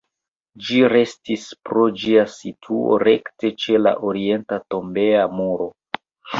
Ĝi restis pro ĝia situo rekte ĉe la orienta tombeja muro.